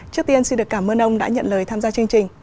trước tiên xin được cảm ơn ông đã nhận lời tham gia chương trình